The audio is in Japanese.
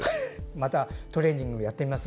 またトレーニングをやってみます。